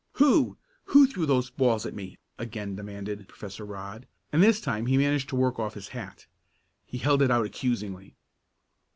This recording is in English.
"Who who threw those balls at me?" again demanded Professor Rodd, and this time he managed to work off his hat. He held it out accusingly.